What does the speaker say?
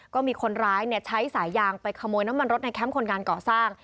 ก็มีคนร้ายใช้สายยางไปขโมยน้ำมันรถในแคมป์คนงานก่อสร้าง